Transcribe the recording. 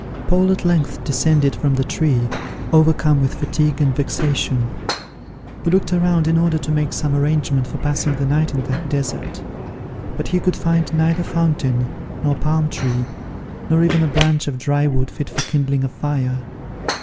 Paul at length descended from the tree, overcome with fatigue and vexation. He looked around in order to make some arrangement for passing the night in that desert; but he could find neither fountain, nor palm tree, nor even a branch of dry wood fit for kindling a fire.